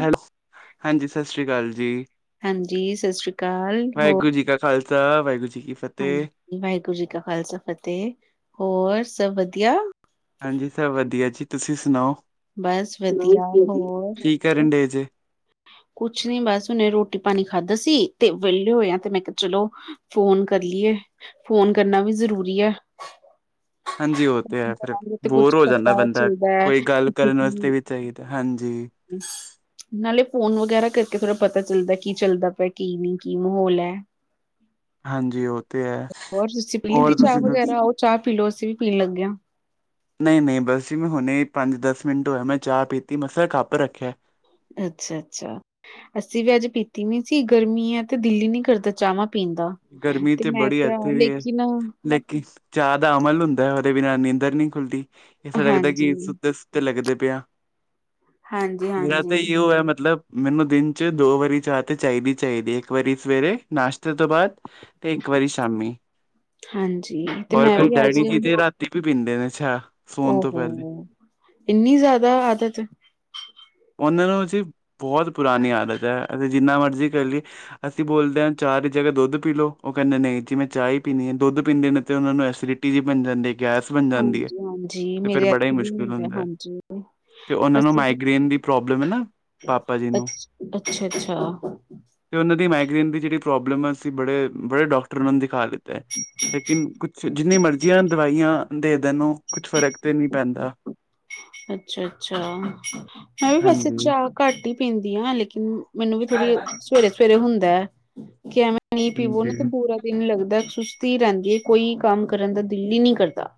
Hello ਹਾਂਜੀ, ਸਸ ਰੀ ਕਾਲ ਜੀ, ਹਾਂਜੀ ਸਤਿ ਸ੍ਰੀ ਅਕਾਲ ਹੋਰ ਵਾਹਿਗੁਰੂ ਜੀ ਕਾ ਖਾਲਸਾ ਵਾਹਿਗੁਰੂ ਜੀ ਕੀ ਫਤਿਹ ਹਾਂਜੀ, ਵਾਹਿਗੁਰੂ ਜੀ ਕਾ ਖ਼ਾਲਸਾ ਫਤਿਹ, ਹੋਰ ਸਭ ਵਧੀਆ। ਹਾਂਜੀ, ਸਬ ਵਧੀਆ ਜੀ, ਤੁਸੀਂ ਸੁਣਾਓ। ਬਸ ਵਧੀਆ, ਹੋਰ ਕੀ ਕਰਨ ਡਏ ਜੇ ਕੁਛ ਨੀ ਬਸ ਹੁਨੇ ਰੋਟੀ ਪਾਣੀ ਖਾਧਾ ਸੀ, ਤੇ ਵਿਹਲੇ ਹੋਏ ਆ, ਤੇ ਮੈਂ ਕਿਹਾ ਚਲੋ ਫੋਨ ਕਰ ਲੀਏ, ਫੋਨ ਕਰਨਾ ਵੀ ਜ਼ਰੂਰੀ ਐ। ਹਾਂਜੀ ਉਹ ਤੇ ਹੈ ਫਿਰ, ਬੋਰ ਕੁੱਛ ਹੋ ਜਾਂਦਾ ਪਤਾ ਬੰਦਾ, ਚੱਲਦਾ ਹੈ ਕੋਈ ਗੱਲ ਕਰਨ ਵਾਸਤੇ ਵੀ ਚਾਹੀਦਾ, ਹਾਂਜੀ। [unintelligible] ਨਾਲੇ ਫੋਨ ਵਗੈਰਾ ਕਰਕੇ ਥੋੜ੍ਹਾ ਪਤਾ ਚੱਲਦਾ, ਕੀ ਚੱਲਦਾ ਪਿਆ ਕੀ ਨਹੀ ਕੀ ਮਾਹੌਲ ਐ? ਹਾਂਜੀ ਉਹ ਤੇ ਹੈ ਹੋਰ ਤੁਸੀਂ ਪੀ ਹੋਰ ਲੀਤੀ ਚਾਹ ਤੁਸੀਂ ਦੱਸ ਵਗੈਰਾ ਹੋਰ ਚਾਹ ਪੀ ਲੋ, ਅਸੀਂ ਵੀ ਪੀਣ ਲੱਗੇ ਆਂ। ਨਹੀਂ-ਨਹੀਂ, ਬਸ ਜੀ ਮੈਂ ਹੁਣੇ ਪੰਜ ਦਸ ਮਿੰਟ ਹੋਇਆ ਮੈਂ ਚਾਹ ਪੀਤੀ, ਬਸ ਮੈਂ ਕੱਪ ਰੱਖਿਆ। ਅੱਛਾ-ਅੱਛਾ, ਅਸੀ ਵੀ ਅੱਜ ਪੀਤੀ ਨਈ ਸੀ, ਗਰਮੀ ਆ ਤੇ ਦਿੱਲ ਹੀ ਨੀ ਕਰਦਾ ਚਾਵਾਂ ਪੀਣ ਦਾ ਗਰਮੀ ਤੇ ਮੈਂ ਬੜੀ ਕਿਹਾ ਇੱਥੇ ਵੀ ਹੈ ਲੇਕਿਨ ਲੇਕਿਨ ਚਾਹ ਦਾ ਅਮਲ ਹੁੰਦਾ, ਉਹਦੇ ਬਿਨਾਂ ਨੀਂਦਰ ਨੀ ਖੁੱਲਦੀ, ਐਸਾ ਲੱਗਦਾ ਹਾਂਜੀ ਕਿ ਸੁੱਤੇ ਸੁ ਤੇ ਲੱਗਦੇ ਪਏ ਆ, ਹਾਂਜੀ ਮੇਰਾ ਤਾਂ ਹਾਂਜੀ ਇਹੀਓ ਐ ਮਤਲਬ ਮੈਨੂੰ ਦਿਨ 'ਚ- ਦੋ ਵਾਰੀ ਚਾਹ ਤੇ ਚਾਹੀਦੀ- ਚਾਹੀਦੀ ਇੱਕ ਵਾਰੀ ਸਵੇਰੇ ਨਾਸ਼ਤੇ ਤੋਂ ਬਾਅਦ, ਤੇ ਇੱਕ ਵਾਰੀ ਸ਼ਾਮੀ। ਹਾਂਜੀ ਤੇ ਓਹ ਮੈਂ ਮੇਰੇ ਵੀ ਅੱਜ ਡੈਡੀ ਜੀ ਤੇ ਰਾਤ- ਰਾਤੀ ਵੀ ਪੀਂਦੇ ਨੇ ਚਾਂ। ਹੋ- ਹੋ ਇੰਨੀ ਜ਼ਿਆਦਾ ਆਦਤ। ਉਹਨਾਂ ਨੂੰ ਜੀ ਬਹੁਤ ਪੁਰਾਣੀ ਆਦਤ ਹੈ। ਅਸੀਂ ਜਿੰਨਾ ਮਰਜ਼ੀ ਕਹਿ ਲਈਏ। ਅਸੀਂ ਬੋਲਦੇ ਹਾਂ ਚਾਹ ਦੀ ਜਗ੍ਹਾ ਦੁੱਧ ਪੀ ਲਓ, ਉਹ ਕਹਿੰਦੇ ਨਹੀਂ ਜੀ ਮੈਂ ਚਾਹ ਹੀ ਪੀਣੀ ਹੈ। ਦੁੱਧ ਪੀਂਦੇ ਨੇ ਤੇ ਉਹਨਾਂ ਨੂੰ ਐਸਿਰਿਟੀ, ਟੀ ਬਣ ਜਾਂਦੀ ਹੈ। ਗੈਸ ਬਣ ਜਾਂਦੀ ਹੈ ਹਾਂਜੀ-ਹਾਂਜੀ ਤੇ ਫਿਰ ਮੇਰੇ ਬੜਾ ਹੀ ਹੱਥ ਵੀ ਮੁਸ਼ਕਿਲ ਹੁੰਦਾ ਹੈ ਹਾਂਜੀ ਤੇ ਉਹਨਾਂ ਨੂੰ ਅਸੀ ਵੀ? ਮਾਈਗ੍ਰੇਨ ਦੀ ਪ੍ਰੋਬਲਮ ਹੈ ਨਾ ਪਾਪਾ ਜੀ ਅ ਨੂੰ ਅੱਛਾ- ਅੱਛਾ! ਤੇ ਉਹਨਾਂ ਦੀ ਮਾਈਗ੍ਰੇਨ ਦੀ ਜਿਹੜੀ ਪ੍ਰੋਬਲਮ ਹੈਂ। ਅਸੀਂ ਬੜੇ, ਬੜੇ ਡਾਕਟਰ ਨੂੰ ਦਿਖਾ ਦਿੱਤਾ ਹੈ। ਇਣ ਕੁਛ ਜਿੰਨਨੀ ਮਰਜ਼ੀਆਂ ਦਵਾਈਆਂ ਦੇ ਦੇਣ ਉਹ ਕੁਛ ਫ਼ਰਕ ਤੇ ਨਹੀਂ ਪੈਂਦਾ। ਅੱਛਾ-ਅੱਛਾ! ਮੈਂ ਵੀ ਵੈਸੇ ਹਾਂਜੀ। ਚਾਹ ਘੱਟ ਹੀ ਪੀਂਦੀ ਹਾਂ! ਲੇਕਿਨ ਮੈਨੂੰ ਵੀ ਥੋੜ੍ਹੀ ਸਵੇਰੇ, ਸਵੇਰੇ ਹੁੰਦਾ। ਕਿ ਐਵੇਂ ਨਹੀਂ ਪੀਵੋ ਨਾ ਤੇ ਹਾਂਜੀ ਪੂਰਾ! ਦਿਨ ਲੱਗਦਾ ਸੁਸਤੀ ਰਹਿੰਦੀ ਹੈ। ਕੋਈ ਕੰਮ ਕਰਨ ਦਾ ਦਿਲ ਹੀ ਨਹੀਂ ਕਰਦਾ।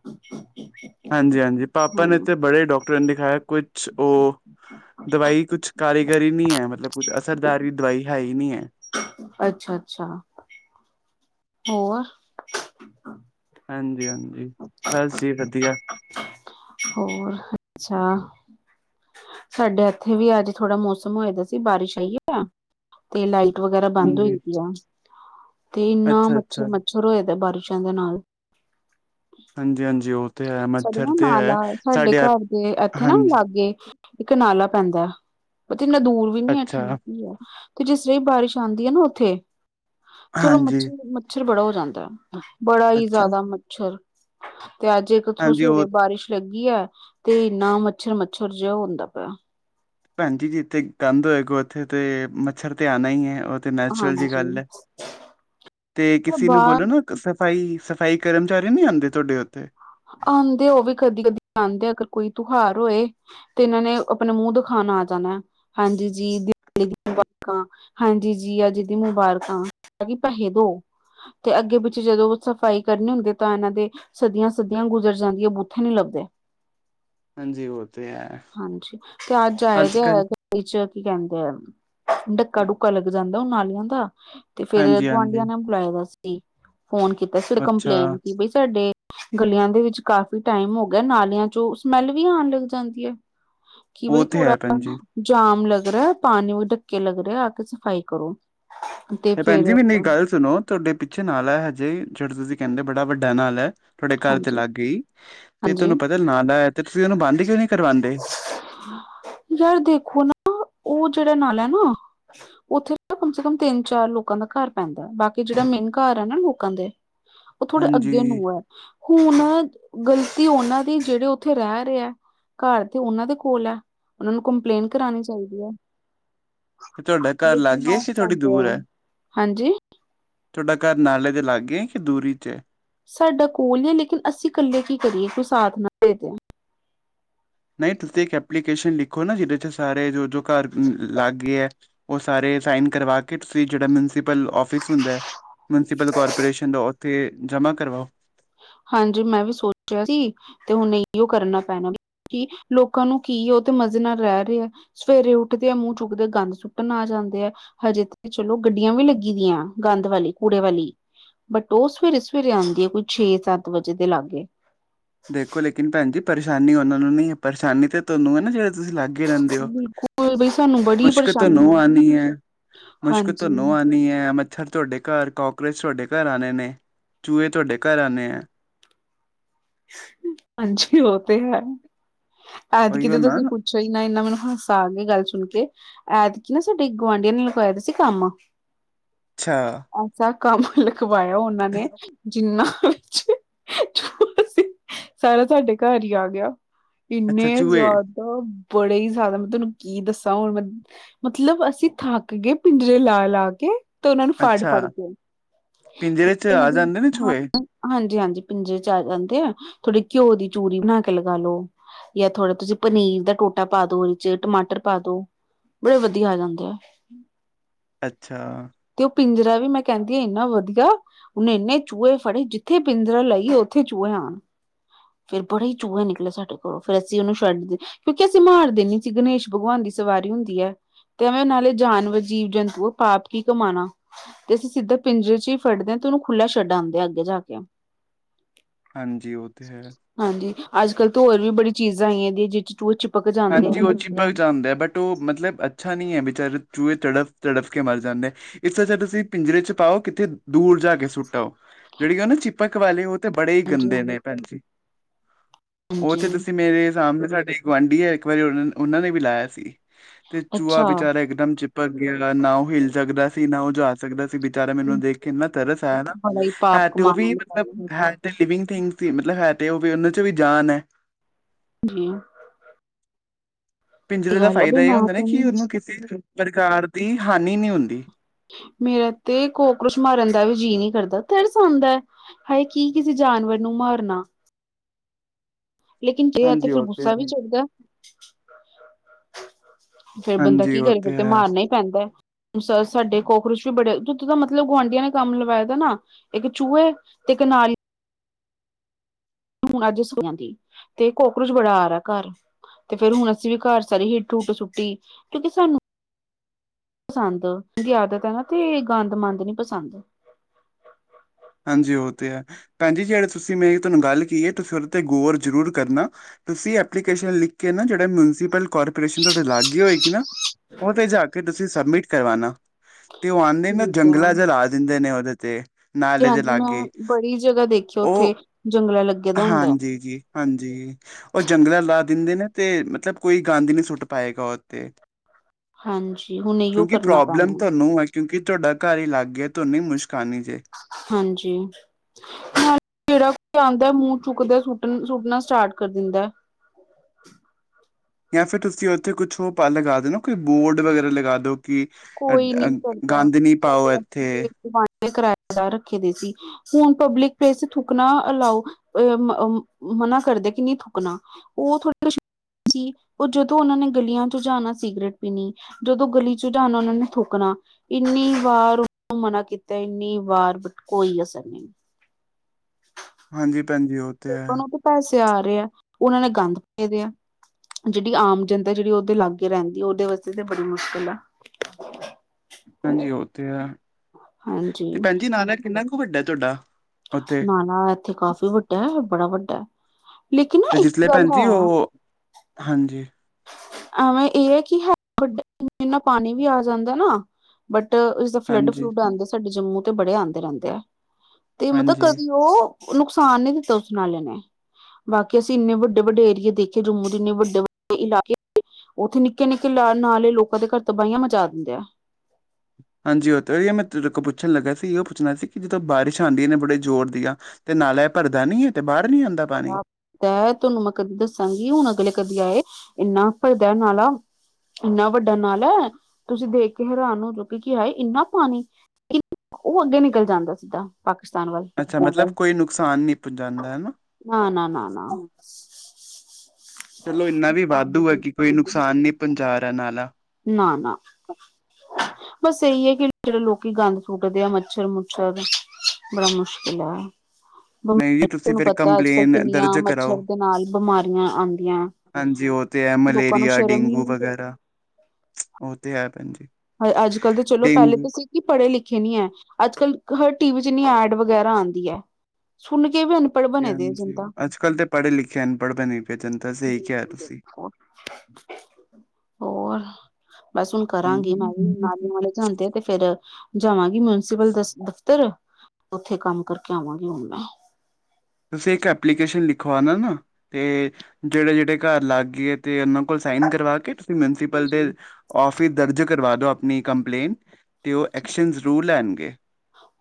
ਹਾਂਜੀ-ਹਾਂਜੀ ਪਾਪਾ ਨੇ ਹਾਂ ਤੇ ਬੜੇ ਡਾਕਟਰਾਂ ਨੂੰ ਦਿਖਾਇਆ ਕੁਛ ਉਹ? ਦਵਾਈ ਕੁਛ ਕਾਰੀਗਰੀ ਨਹੀਂ ਹੈ। ਮਤਲਬ ਕੁਝ ਅਸਰਦਾਰੀ ਦਵਾਈ ਹੈ ਹੀ ਨਹੀਂ ਹੈ। ਅੱਛਾ- ਅੱਛਾ! ਹੋਰ? ਹਾਂਜੀ-ਹਾਂਜੀ ਬਸ ਜੀ ਵਧੀਆ। ਹੋਰ, ਅੱਛਾ! ਸਾਡੇ ਇੱਥੇ ਵੀ ਅੱਜ ਥੋੜ੍ਹਾ ਮੌਸਮ ਹੋ ਪਾਇਆ ਸੀ ਬਾਰਿਸ਼ ਆਈ ਹੈ ਕਿਆ। ਤੇ ਲਾਈਟ ਵਗੈਰਾ ਬੰਦ ਹਾਂਜੀ ਹੋਈ ਪਈ ਹੈ। ਤੇ ਇੰਨਾ ਅੱਛਾ ਅੱਛਾ ਮੱਛਰ-ਮੱਛਰ ਹੋਏਦਾ ਬਾਰਿਸ਼ਾਂ ਦੇ ਨਾਲ। ਹਾਂਜੀ-ਹਾਂਜੀ ਉਹ? ਤੇ ਹੈ ਸਾਡੇ ਮੱਛਰ ਨਾ ਤੇ ਹੈ ਨਾਲਾਂ, ਸਾਡੇ ਘਰ ਦੇ ਇੱਥੇ ਨਾ ਹਾਂਜੀ ਲਾਗੇ- ਇੱਕ ਨਾਲਾ ਪੈਂਦਾ। ਪਰ ਇੰਨਾ ਦੂਰ ਵੀ ਨਹੀਂ ਹੈ, ਅੱਛਾ ਠੀਕ ਹੀ ਆ। ਤੇ ਜੇ ਸਵੇ ਬਾਰਿਸ਼ ਆਉਂਦੀ ਹੈ ਨਾ ਉੱਥੇ, ਥੋੜ੍ਹਾ ਹਾਂਜੀ ਮੱਛਰ-ਮੱਛਰ ਬੜਾ ਹੋ ਜਾਂਦਾ ਹੈ। ਬੜਾ ਹੀ ਅੱਛਾ ਜ਼ਿਆਦਾ ਮੱਛਰ। ਤੇ ਅੱਜ ਕਿਥੋਂ ਹਾਂਜੀ ਉਹ ਸਵੇਰੇ ਬਾਰਿਸ਼? ਲੱਗੀ ਹੈ, ਤੇ ਇੰਨਾ ਮੱਛਰ-ਮੱਛਰ ਜਿਹਾ ਹੁੰਦਾ ਪਿਆ। ਭੈਣ ਜੀ ਜਿੱਥੇ ਗੰਦ ਹੋਏਗਾ ਉੱਥੇ ਤੇ ਮੱਛਰ ਤੇ ਆਣਾ ਹੀ ਹੈ ਔਰ ਤੇ ਨੈਚੁਰਲ ਜੀ ਹਾਂਜੀ ਗੱਲ ਐ ਤੇ ਕਿਸੇ ਨੂੰ ਬਾਹਰ ਬੋਲੋ ਨਾ ਸਫ਼ਾਈ, ਸਫ਼ਾਈ ਕਰਮਚਾਰੀ ਨਹੀ ਆਉਂਦੇ ਤੁਹਾਡੇ ਉੱਥੇ? ਆਉਂਦੇ ਆ ਉਹ ਵੀ ਕਦੀ-ਕਦੀ ਆਉਂਦੇ ਅਗਰ ਕੋਈ ਤਿਉਹਾਰ ਹੋਏ? ਤੇ ਇਹਨਾਂ ਨੇ ਆਪਣੇ ਮੂੰਹ ਦਿਖਾਣ ਆ ਜਾਣਾ ਹਾਂਜੀ-ਜੀ, ਦਿਵਾਲੀ ਦੀ ਮੁਬਾ ਹਾਂਜੀ ਜੀ ਅੱਜ ਦੀ ਮੁਬਾਰਕਾਂ ਕਿ ਪੈਹੇ ਦੋ ਤੇ ਅੱਗੇ ਪਿੱਛੇ ਜਦੋਂ ਉਹ ਸਫ਼ਾਈ ਕਰਨੀ ਹੁੰਦੀ ਤਾਂ ਇਹਨਾਂ ਦੇ ਸਦੀਆਂ! ਸਦੀਆਂ ਗੁਜਰ ਜਾਂਦੀਆਂ ਬੂਥੇ ਨਹੀਂ ਲੱਭਦੇ। ਹਾਂਜੀ ਉਹ ਤੇ ਹੈ ਹਾਂਜੀ ਤੇ ਅੱਜ ਆਏ ਦੇ ਹੈ। ਵਿੱਚ ਕੀ ਕਹਿੰਦੇ ਆ ਡੱਕਾ, ਡੁੱਕਾ ਲੱਗ ਜਾਂਦਾ ਉਹ ਨਾਲੀਆਂ ਦਾ? ਤੇ ਫੇਰ ਹਾਂਜੀ ਹਾਂਜੀ ਗੁਆਂਢੀਆਂ ਨੇ ਬੁਲਾਯਾ ਹੋਯਾ ਸੀ। ਫੋਨ ਕੀਤਾ ਸੀ ਅੱਛਾ ਕੰਪਲੇਂਟ ਕੀ ਬਈ ਸਾਡੇ? ਗਲੀਆਂ ਦੇ ਵਿੱਚ ਕਾਫ਼ੀ ਟਾਈਮ ਹੋ ਗਿਆ ਨਾਲੀਆਂ ਚ ਸਮੈਲ ਵੀ ਆਣ ਲੱਗ ਜਾਂਦੀ ਐ। ਕਿ ਉਹ ਬਈ ਤੇ ਹੈ ਥੋੜਾ ਭੈਣ ਜੀ ਜਾਮ ਲੱਗ ਰਾ ਪਾਣੀ ਮੇਂ ਡੱਕੇ ਲੱਗ ਰੇ ਆ ਕੇ ਸਫ਼ਾਈ ਕਰੋ। ਤੇ ਭੈਣ ਜੀ ਮੈਨੂੰ ਇੱਕ ਗੱਲ ਸੁਣੋ ਤੁਹਾਡੇ ਪਿੱਛੇ ਨਾਲਾ ਹੈ ਹਜੇ, ਜਿਹੜਾ ਤੁਸੀਂ ਕਹਿੰਦੇ ਬੜਾ ਵੱਡਾ ਨਾਲਾ ਆ। ਤੁਹਾਡੇ ਘਰ ਚ ਹਾਂਜੀ ਲਾਗੇ ਈ ਤੇ ਹਾਂਜੀ ਤੁਹਾਨੂੰ ਪਤਾ ਨਾਲਾ ਹੈ। ਤੇ ਤੁਸੀਂ ਉਹਨੂੰ ਬੰਦ ਕਿਉਂ ਨਹੀਂ ਕਰਵਾਉਂਦੇ? [inaudible] ਯਾਰ ਦੇਖੋ ਨਾ ਉਹ ਜਿਹੜਾ ਨਾਲ ਹੈ ਨਾ ਉੱਥੇ ਕਮ ਸੇ ਕਮ ਤਿੰਨ-ਚਾਰ ਲੋਕਾਂ ਦਾ ਘੱਰ ਪੈਂਦਾ ਬਾਕੀ ਜਿਹੜਾ ਮੇਨ ਘੱਰ ਐ ਨਾ ਲੋਕਾਂ ਦੇ ਉਹ ਥੋੜੇ ਅੱਗੇ ਹਾਂਜੀ ਨੂੰ ਐ। ਹੁਣ ਗ਼ਲਤੀ ਉਹਨਾਂ ਦੀ ਜਿਹੜੇ ਉੱਥੇ ਰਹਿ ਰਹੇ ਹੈ? ਘਰ ਤੇ ਉਹਨਾਂ ਦੇ ਕੋਲ ਹੈ। ਉਹਨਾਂ ਨੂੰ ਕੰਪਲੇਂਨਟ ਕਰਾਉਣੀ ਚਾਹੀਦੀ ਹੈ। ਤੇ ਤੁਹਾਡਾ ਘਰ ਲਾਗੇ ਕਿ ਥੋੜੀ ਦੂਰ ਹੈ ਹਾਂਜੀ ਤੁਹਾਡਾ ਘਰ ਨਾਲੇ ਦੇ ਲਾਗੇ ਹੈ, ਕਿ ਦੂਰੀ 'ਚ ਹੈ। ਸਾਡੇ ਕੋਲ ਈ ਲੇਕਿਨ ਅਸੀਂ ਕੱਲੇ ਕੀ ਕਰੀਏ ਕੋਈ ਸਾਥ ਨਾ ਦੇ ਤੇ। ਨਹੀਂ ਤੁਸੀਂ ਇੱਕ ਐਪਲੀਕੇਸ਼ਨ ਲਿਖੋ ਨਾ ਜਿਹਦੇ ਚ ਸਾਰੇ ਜੋ ਜੋ ਘਰ ਲਾਗੇ ਹੈ। ਉਹ ਸਾਰੇ ਸਾਈਨ ਕਰਵਾ ਕੇ ਤੁਸੀਂ ਜਿਹੜਾ ਮਿਊਨਸਿਪਲ ਆਫਿਸ ਹੁੰਦਾ ਮਿਊਨਸੀਪਲ ਕਾਰਪੋਰੇਸ਼ਨ ਦਾ ਉੱਥੇ ਜਮ੍ਹਾਂ ਕਰਵਾਓ। ਹਾਂਜੀ ਮੈਂ ਵੀ ਸੋਚਿਆ ਸੀ ਤੇ ਹੁਣ ਇਓ ਕਰਨਾ ਪੈਣਾ। ਕੀ ਲੋਕਾਂ ਨੂੰ ਕੀ ਹੈ, ਉਹ ਤੇ ਮਜ਼ੇ ਨਾਲ ਰਹਿ ਰਹੇ ਹੈ। ਸਵੇਰੇ ਉੱਠਦੇ ਆ ਮੂੰਹ ਚੁੱਕਦੇ ਗੰਦ ਸੁੱਟਣ ਆ ਜਾਂਦੇ ਆ। ਹਜੇ ਤੇ ਚਲੋ- ਗੱਡੀਆਂ ਵੀ ਲੱਗੀ ਦੀਆਂ- ਗੰਦ ਵਾਲੀ, ਕੂੜੇ ਵਾਲੀ। ਬਟ ਉਹ ਸਵੇਰੇ-ਸਵੇਰੇ ਆਉਂਦੀ ਹੈ ਕੋਈ ਛੇ-ਸੱਤ ਵਜੇ ਦੇ ਲਾਗੇ। ਦੇਖੋ ਲੇਕਿਨ ਪੈਣ ਜੀ ਪਰੇਸ਼ਾਨੀ ਉਹਨਾਂ ਨੂੰ ਨਹੀਂ ਆ ਪਰੇਸ਼ਾਨੀ ਤੇ ਤੁਹਾਨੂੰ ਏ ਨਾ ਜਿਹੜੇ ਤੁਸੀਂ ਲਾਗੇ ਹੀ ਰਹਿੰਦੇ ਓ ਬਿਲਕੁਲ ਬਈ ਸਾਨੂੰ ਬੜੀ ਮੁਸ਼ਕ ਪਰੇਸ਼ਾਨੀ ਆ ਤੁਹਾਨੂੰ ਆਣੀ ਐ। ਮੁਸ਼ਕ ਹਾਂਜੀ। ਤੁਹਾਨੂੰ ਆਣੀ ਐ। ਹਰ ਤੁਹਾਡੇ ਘੱਰ ਕਾੱਕਰੋਚ ਤੁਹਾਡੇ ਘਰ ਆਣੇ ਨੇ, ਚੂਹੇ ਤੁਹਾਡੇ ਘੱਰ ਆਣੇ ਆ। ਹਾਂਜੀ, ਉਹ ਤੇ ਹੈ ਐਤਕੀਂ ਉਹੀਓ ਤੇ ਨਾ ਤੁਸੀਂ ਪੁ ਕੋਈ ਨਾ ਇੰਨਾ ਮੈਨੂੰ ਹਾਸਾ ਆ ਗਿਆ ਗੱਲ ਸੁਣ ਕੇ, ਐਤਕੀ ਨਾ ਸਾਡੇ ਗੁਆਂਢੀਆਂ ਨੇ ਲਗਵਾਏ ਪਾਏ ਸੀ ਕੰਮ? ਅੱਛਾ ਐਸਾ ਕੰਮ ਲਿਖਵਾਏਆ ਉਹਨਾਂ ਨੇ ਜਿੰਨਾ ਨੇ ਜਿਨ੍ਹਾਂ ਸਾਰਾ ਤੁਹਾਡੇ ਘੱਰ ਹੀ ਆ ਗਿਆ ਅੱਛਾ ਇੰਨੇ ਜ਼ਿ ਚੂਹੇ ਉਹ ਬੜੇ ਹੀ ਜ਼ਿਆਦਾ ਮੈਂ ਤੁਹਾਨੂੰ ਕੀ ਦੱਸਾਂ ਹੁਣ ਮੈਂ ਮਤਲਬ ਅਸੀਂ ਥੱਕਗੇ ਪਿੰਜਰੇ ਲਾ-ਲਾ ਕੇ ਤੇ ਉਹਨਾਂ ਨੂੰ ਅੱਛਾ ਫੜ-ਫੜ ਕੇ ਪਿੰਜਰੇ 'ਚ ਉਹਨਾਂ ਆ ਦੀ ਜਾਂਦੇ ਨੇ ਚੂਹੇ ਹ- ਹਾਂਜੀ-ਹਾਂਜੀ ਪੰਜੇ ਚ ਆ ਜਾਂਦੇ ਆ ਥੋੜੀ ਘਿਓ ਦੀ ਚੂਰੀ ਬਣਾ ਕੇ ਲਗਾ ਲੋ। ਜਾਂ ਥੋੜਾ ਤੁਸੀਂ ਪਨੀਰ ਦਾ ਟੋਟਾ ਪਾ ਦੋ ਉਹਦੇ ਚ ਟਮਾਟਰ ਪਾ ਦੋ। ਬੜੇ ਵਧੀਆ ਆ ਜਾਂਦੇ ਆ। ਅੱਛਾ ਤੇ ਉਹ ਪਿੰਜਰਾ ਵੀ ਮੈਂ ਕਹਿੰਦੀ ਆ ਇੰਨਾ ਵਧੀਆ ਉਹਨੇ ਇੰਨੇ ਚੂਹੇ ਫੜੇ, ਜਿੱਥੇ ਪਿੰਜਰਾਂ ਲਾਈਏ ਉੱਥੇ ਚੂਹੇ ਆਉਣ। ਫਿਰ ਬੜੇ ਹੀ ਚੂਹੇ ਨਿਕਲੇ ਸਾਡੇ ਕੋਲੋ ਫਿਰ ਅਸੀਂ ਉਹਨੂੰ ਛੱਡ ਦੀ ਕਿਉਂਕਿ ਅਸੀਂ ਮਾਰਦੇ ਨਹੀਂ ਸੀ ਗਣੇਸ਼ ਭਗਵਾਨ ਦੀ ਸਵਾਰੀ ਹੁੰਦੀ ਹੈ। ਤਿਵੇਂ ਨਾਲੇ ਜਾਨਵਰ ਜੀਵ ਪਾਪ ਕੀ ਕਮਾਉਣਾ। ਤੇ ਅਸੀਂ ਸਿੱਧਾ ਪਿੰਜਰੇ ਚ ਹੀ ਫੜਦੇ ਹਾਂ ਤੇ ਉਹਨੂੰ ਖੁੱਲਾ ਛੱਡ ਆਂਦੇ ਆ ਅੱਗੇ ਜਾ ਕੇ। ਹਾਂਜੀ ਉਹ ਤੇ ਹੈ ਹਾਂਜੀ ਅੱਜ-ਕੱਲ੍ਹ ਤੋ ਹੋਰ ਵੀ ਬੜੀ ਚੀਜ਼ਾਂ ਆਈਆਂ ਦੀਆਂ ਜਿਹਦੇ ਵਿੱਚ ਚੂਹੇ ਚਿਪਕ ਜਾਂਦੇ ਆ। ਚੀਪਕ ਜਾਂਦਾ ਹੈ ਬਟ ਉਹ ਮਤਲਬ ਅੱਛਾ ਨੀ ਹੈ ਬੇਚਾਰੇ ਚੂਹੇ ਤੜਫ-ਤੜਫ ਕੇ ਮਰ ਜਾਂਦੇ ਇਸ ਤੋਂ ਅੱਛਾ ਤੁਸੀਂ ਪਿੰਜਰੇ ਚ ਪਾਓ ਕਿੱਥੇ ਦੂਰ ਜਾ ਕੇ ਸੁੱਟ ਆਓ ਜਿਹੜੀ ਉਹ ਨਾ ਚੀਪਕ ਵਾਲੀ ਉਹ ਤੇ ਬੜੇ ਹੀ ਹਾਂਜੀ ਗੰਦੇ ਹਾਂਜੀ ਨੇ ਭੈਣ ਜੀ ਉਹ ਤੇ ਹਾਂਜੀ ਤੁਸੀਂ ਮੇਰੇ ਸਾਮਣੇ ਸਾਡੇ ਗੁਆਂਢੀ ਐ ਇੱਕ ਵਾਰੀ ਉਹ ਉਹਨਾਂ ਨੇ ਵੀ ਲਾਇਆ ਸੀ। ਤੇ ਚੂਹਾ ਅੱਛਾ ਵਿਚਾਰਾ ਇਕਦਮ ਚਿਪਕ ਗਿਆ ਨਾ ਉਹ ਹਿਲ ਸਕਦਾ ਸੀ ਨਾ ਉਹ ਜਾ ਸਕਦਾ ਸੀ ਬੀ ਵਿਚਾਰਾ ਮੈਨੂੰ ਦੇਖ ਕੇ ਇੰਨਾ ਤਰਸ ਆਇਆ ਨਾ ਬੜਾ ਹੀ ਪਾਪ ਹੈ ਤੇ ਉਹ ਕਮਾਉਣ ਵੀ ਵਾਲੀ ਗੱਲ ਮਤਲਬ ਹੈ। ਤੇ ਲਿਵਿੰਗ ਥਿੰਗ ਥੀ ਮਤਲਬ ਹੈ ਤੇ ਉਹ ਵੀ ਉਹਨਾਂ ਚ ਵੀ ਜਾਨ ਐ। [unintelligible] ਇਹ ਪਿੰਜਰੇ ਦਾ ਗੱਲ ਹੈ ਬਈ ਫਾਇਦਾ ਇਹ ਮੈਂ ਹੁੰਦਾ ਨਾ ਤੇ ਕਿ ਉਹਨੂੰ ਕਿਸੇ ਪ੍ਰਕਾਰ ਦੀ ਹਾਨੀ ਨਹੀਂ ਹੁੰਦੀ। ਮੇਰਾ ਤੇ ਕੋਕਰੋਜ ਮਾਰਨ ਦਾ ਵੀ ਜੀਅ ਨਹੀਂ ਕਰਦਾ ਤਰਸ ਆਉਂਦਾ ਹੈ। ਹਾਏ ਕੀ ਕਿਸੀ ਜਾਨਵਰ ਨੂੰ ਮਾਰਨਾ। ਲੇਕਿਨ ਕਿਆ ਤੇ ਹਾਂਜੀ ਫਿਰ ਉਹ ਗੁੱਸਾ ਵੀ ਹੈ ਚੜਦਾ ਫੇਰ ਬੰਦਾ ਹਾਂਜੀ ਕੀ ਉਹ ਕਰੇ ਫਿਰ ਤੇ ਹੈ ਮਾਰਨਾ ਈ ਪੈਂਂਦਾ ਸਾਡੇ ਕੋਕਰੋਚ ਵੀ ਬੜੇ ਦੁੱਧ ਦਾ ਮਤਲਬ ਗੁਆਂਢੀਆਂ ਨੇ ਕੰਮ ਲਵਾਏ ਦਾ ਨਾ ਇੱਕ ਚੂਹੇ ਤੇ ਇੱਕ ਨਾਲ ਈ ਹੁਣ ਜਿਸਿਆਂ ਦੀ ਤੇ ਕੋਕਰੋਚ ਬੜਾ ਆ ਰਿਹਾ ਘਰ ਤੇ ਫਿਰ ਹੁਣ ਅਸੀਂ ਵੀ ਘਰ ਸਾਰੀ ਹਿਟ ਹੁੱਟ ਸੁੱਟੀ ਕਿਉਂਕਿ ਸਾਨੂੰ ਪਸੰਦ ਦੀ ਆਦਤ ਹੈ ਨਾ ਤੇ ਗੰਦ ਮੰੰਦ ਨੀ ਪਸੰਦ। ਹਾਂਜੀ ਉਹ ਤੇ ਐ ਪੈਣ ਜੀ ਜਿਹੜੇ ਤੁਸੀਂ ਮੈਂ ਤੁਹਾਨੂੰ ਗੱਲ ਕਹੀ ਏ ਤੁਸੀਂ ਉਹਦੇ ਤੇ ਗੌਰ ਜ਼ਰੂਰ ਕਰਨਾ। ਤੁਸੀਂ ਐਪਲੀਕੇਸ਼ਨ ਲਿਖ ਕੇ ਨਾ ਜਿਹੜਾ ਮੁਨਸੀਪਲ ਕਾਰਪੋਸ਼ਨ ਤੁਹਾਡੇ ਲਾਗੇ ਹੋਏਗੀ ਨਾ ਉਹ ਤੇ ਜਾ ਕੇ ਤੁਸੀਂ ਸਬਮਿਟ ਕਰਵਾਣਾ ਤੇ ਉਹ ਆਉਂਦੇ ਨਾ ਠੀਕ ਆ। ਜੰਗਲਾ ਚ ਰਾਜ ਦਿੰਦੇ ਨੇ ਉਹਦੇ ਤੇ। ਨਾਲੇ ਦੇ ਹਾਂਜੀ ਮੈਂ ਲਾਗੇ ਬੜੀ ਜਗ੍ਹਾ ਦੇਖਿਆ ਉੱਥੇ ਉਹ ਜੰਗਲਾ ਲੱਗੇ ਦਾ ਹੁੰਦਾ। ਹਾਂਜੀ-ਜੀ। ਹਾਂਜੀ, ਉਹ ਜੰਗਲਾਂ ਲਾ ਦਿੰਦੇ ਨੇ ਤੇ ਮਤਲਬ ਕੋਈ ਗੰਦ ਹੀ ਨਹੀਂ ਸੁੱਟ ਪਾਏਗਾ ਉਥੇ। ਹਾਂਜੀ ਹੁਣ ਇਓ ਕਿਉਂਕਿ ਕਰਨਾ ਪੈਣਾ ਪ੍ਰੋਬਲਮ ਤੁਹਾਨੂੰ ਹੈ। ਕਿਉਂਕਿ ਤੁਹਾਡਾ ਘਰ ਈ ਲਾਗੇ ਆ ਤੁਹਾਨੂੰ ਈ ਮੁਸ਼ਕ ਆਉਣੀ ਜੇ। ਹਾਂਜੀ। ਹਾਂ ਜਿਹੜਾ ਕੋਈ ਆਂਦਾ ਮੂੰਹ ਚੁੱਕ ਕੇ ਸੁੱਟ ਸੁੱਟਣਾ ਸਟਾਰਟ ਕਰ ਦਿੰਦਾ। ਯਾਂ ਫੇਰ ਤੁਸੀਂ ਉੱਥੇ ਕੁੱਛ ਉਹ ਲੱਗਾ ਦੇ ਨਾ ਕੋਈ ਬੋਰਡ ਵਗੈਰਾ ਲਗਾ ਦੋ। ਕਿ ਕੋਈ ਨੀ ਗੰਦ ਨੀ ਪਾਓ ਇੱਥੇ। ਤੇ ਕਰਾਈਕਾ ਰੱਖੀ ਦੀ ਸੀ। ਹੁਣ ਪਬਲਿਕ ਪਲੇਸ ਤੇ ਥੁੱਕਣਾ ਅਲਾਓ ਮਨਾ ਕਰਦੇ ਕਿ ਨਹੀਂ ਥੁੱਕਣਾ ਉਹ ਥੋੜੀ ਜੀ ਉਹ ਜਦੋਂ ਉਹਨਾਂ ਨੇ ਗਲੀਆਂ ਚ ਜਾਣਾ ਸਿਗਰਟ ਪੀਣੀ ਜਦੋਂ ਗਲੀ ਸੁਜਾਨਾ ਉਹਨਾਂ ਨੇ ਥੁਕਣਾ ਇੰਨੀ ਵਾਰ ਉਹਨਾ ਨੂੰ ਮਨਾ ਕੀਤਾ, ਇੰਨੀ ਵਾਰ ਬਟ ਕੋਈ ਅਸਰ ਨਹੀਂ। ਹਾਂਜੀ ਭੈਣ ਜੀ ਉਹ ਤੇ ਹੈ ਲੋਕ ਨੂੰ ਤੇ ਪੈਸੇ ਆ ਰਹੇ ਆ ਉਹਨਾਂ ਨੇ ਗੰਦ ਪਏ ਦੇ ਆ ਜਿਹੜੀ ਆਮ ਜਨਤਾ ਜਿਹੜੀ ਉਹਦੇ ਲਾਗੇ ਰਹਿੰਦੀ ਹੈ ਉਹਦੇ ਵਾਸਤੇ ਤਾਂ ਬੜੀ ਮੁਸ਼ਕਿਲ ਆ ਹਾਂਜੀ ਉਹ ਤੇ ਆ ਹਾਂਜੀ ਤੇ ਭੈਣ ਜੀ ਨਾਨਕ ਕਿੰਨਾ ਵੱਡਾ ਤੁਹਾਡਾ ਉੱਥੇ ਨਾ ਨਾ ਇੱਥੇ ਕਾਫ਼ੀ ਵੱਡਾ ਹੈ ਬੜਾ ਵੱਡਾ ਹੈ ਲੇਕਿਨ ਨਾ ਤੇ ਇੱਕ ਜਿਸਲੇ ਗੱਲ ਭੈਣ ਜੀ ਹਾਂ। ਉਹ ਹਾਂਜੀ ਐਵੇਂ ਇਹ ਹੈ ਕਿ ਹੈ ਵੱਡਾ ਇਨਾ ਪਾਣੀ ਵੀ ਆ ਜਾਂਦਾ ਨਾ ਬਟ ਫਲੱਡ ਹਾਂਜੀ ਫਲੂਡ ਆਉਂਦੇ ਸਾਡੇ ਜੰਮੂ ਤੇ ਬੜੇ ਆਉਂਦੇ ਰਹਿੰਦੇ ਆ ਤੇ ਮਤਲਬ ਹਾਂਜੀ ਕਦੀ ਉਹ ਨੁਕਸਾਨ ਨੀ ਦਿੱਤਾ ਉਸ ਨਾਲੇ ਨੇ ਬਾਕੀ ਅਸੀਂ ਇੰਨੇ ਵੱਡੇ ਵੱਡੇ ਏਰੀਏ ਦੇਖੇ ਜੰਮੂ ਦੇ ਇੰਨੇ ਵੱਡੇ ਵੱਡੇ ਇਲਾਕੇ ਉਥੇ ਨਿੱਕੇ ਨਾਲੇ ਲੋਕਾਂ ਦੇ ਘਰ ਤਬਾਹੀਆਂ ਮਚਾ ਦਿੰਦੇ ਆ ਹਾਂਜੀ ਉਹ ਇਹ ਮੈਂ ਤੇਰੇ ਕੋਲ ਪੁੱਛਣ ਲੱਗਿਆ ਸੀ ਇਹੋ ਪੁੱਛਣਾ ਸੀ ਕਿ ਜਦੋਂ ਬਾਰਿਸ਼ ਆਉਂਦੀ ਇਹਨ ਬੜੇ ਜ਼ੋਰ ਦੀ ਆ ਤੇ ਨਾਲਾ ਭਰਦਾ ਨੀ ਹੈ ਤੇ ਬਾਹਰ ਨੀ ਆਉਂਦਾ ਪਾਣੀ ਬੜਾ ਫਦਾ ਤੁਹਾਨੂੰ ਮੈਂ ਕਦੀ ਦੱਸਾਂਗੀ ਹੁਣ ਅਗਲੇ ਕਦੀ ਆਏ ਇੰਨਾ ਫਾਇਦਾ ਨਾਲਾ ਇੰਨਾ ਵੱਡਾ ਨਾਲਾ ਹੈ ਤੁਸੀਂ ਦੇਖ ਕੇ ਹੈਰਾਨ ਹੋ ਜੋ ਕਿ ਕਿ ਆਏ ਇੰਨਾ ਪਾਣੀ ਉਹ ਅੱਗੇ ਨਿਕਲ ਜਾਂਦਾ ਸਿੱਧਾ ਪਾਕਿਸਤਾਨ ਵੱਲ ਅੱਛਾ ਮਤਲਬ ਕੋਈ ਨੁਕਸਾਨ ਨੀ ਨਹੀਂ ਪਚਾਂਦਾ ਹਨਾ। ਨਾ ਨਾ ਨਾ ਨਾ ਚਲੋ ਇੰਨਾ ਵੀ ਵਾਧੂ ਹੈ ਕਿ ਕੋਈ ਨੁਕਸਾਨ ਨੀ ਪਹੁੰਚਾ ਰਿਹਾ ਨਾਲਾ ਨਾ ਨਾ ਬਸ ਇਹੀ ਹੈ ਕਿ ਜਿਹੜੇ ਲੋਕੀ ਗੰਦ ਸੁੱਟਦੇ ਆ ਮੱਛਰ ਮੁੱਛਰ ਦਾ ਬੜਾ ਮੁਸ਼ਕਿਲ ਹੈ। ਨਹੀਂ ਜੀ ਮੰਮੀ ਤੁਸੀਂ ਤੁਹਾਨੂੰ ਫਿਰ ਪਤਾ ਅੱਜ ਕੱਲ ਕੰਪਲੇਨ ਦਰਜ ਕਿੰਨੀਆਂ ਕਰਾਓ ਮੱਛਰ ਦੇ ਨਾਲ ਬਿਮਾਰੀਆਂ ਆਉਂਦੀਆਂ ਹਾਂਜੀ ਉਹ ਤੇ ਹੈ ਲੋਕਾਂ ਨੂੰ ਮਲੇਰੀਆ ਸ਼ਰਮ ਹੀ ਡੇਂਗੂ ਵਗੈਰਾ ਉਹ ਤੇ ਹੈ ਭੈਣ ਜਜੀ ਅੱਜ ਕੱਲ ਤਾਂ ਚਲੋ ਪਹਿਲੇ ਵੀ ਸੀ। ਕਿ ਪੜ੍ਹੇ ਲਿਖੇ ਨੀ ਹੈ ਅੱਜ ਕੱਲ ਹਰ ਟੀ ਵੀ ਚ ਇੰਨੀ ਐਡ ਵਗੈਰਾ ਆਉਂਦੀ ਹੈ। ਸੁਣ ਕੇ ਵੀ ਹਾਂਜੀ ਬਣੇ ਦੇ ਜਨਤਾ। ਹਾਂਜੀ ਅੱਜ ਕੱਲ ਤੇ ਪੜ੍ਹੇ ਲਿਖੇ ਅਨਪੜ ਬਣੇ ਪਿਆ ਜਨਤਾ ਸਹੀ ਕਿਹਾ ਬਿਲਕੁਲ ਤੁਸੀਂ ਬਿਲਕੁਲ। ਹੋਰ ਬਸ ਹੁਣ ਕਰਾਂਗੇ ਬਿਮਾਰੀ ਹਾਂਜੀ ਵਾਲੇ ਚ ਹੁੰਦੇ ਆ, ਤੇ ਫੇਰ ਜਾਵਾਂਗੀ ਮਿਊਨਸੀਪਲ ਦਫ਼ਤਰ, ਉੱਥੇ ਕੰਮ ਕਰਕੇ ਆਵਾਂਗੀ ਹੁਣ ਮੈਂ ਤੁਸੀਂ ਇੱਕ ਐਪਲੀਕੇਸ਼ਨ ਲਿਖਵਾਉਣਾ ਨਾ ਤੇ ਜਿਹੜੇ ਜਿਹੜੇ ਘਰ ਲਾਗੇ ਏ, ਤੇ ਉਹਨਾਂ ਕੋਲ ਸਾਈਨ ਕਰਵਾ ਕੇ ਮਿਊਨਸੀਪਲ ਦੇ ਆਫਿਸ ਦਰਜ ਕਰਵਾ ਦੋ ਆਪਣੀ ਕੰਪਲੇਂਟ ਤੇ ਉਹ ਐਕਸ਼ਨ ਜ਼ਰੂ ਲੈਣਗੇ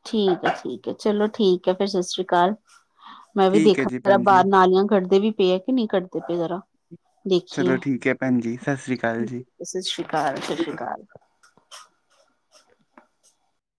ਠੀਕ ਹੈ ਠੀਕ ਹੈ, ਚਲੋ ਠੀਕ ਹੈ, ਫਿਰ ਸਤਿ ਸ੍ਰੀ ਅਕਾਲ ਮੈਂ ਵੀ ਠੀਕ ਹੈ ਦੇਖਾ ਜੀ ਪਹਿਲਾ ਭੈਣ ਬਾਹਰ, ਜੀ ਨਾਲੀਆਂ ਕੱਢਦੇ ਵੀ ਪਏ ਹੈ, ਕਿ ਨਹੀਂ ਕੱਢਦੇ ਪਏ ਜ਼ਰਾ ਚਲੋ ਠੀਕ ਹੈ ਭੈਣ ਜੀ ਸਤਿ ਸ੍ਰੀ ਅਕਾਲ ਜੀ ਸਤਿ ਸ਼੍ਰੀ ਅਕਾਲ, ਸਤਿ ਸ਼੍ਰੀ ਅਕਾਲ। [unintelligible]